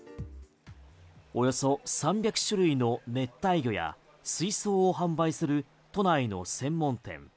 およそ３００種類の熱帯魚や水槽を販売する都内の専門店。